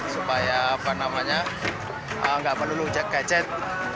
supaya nggak perlu ujak gadget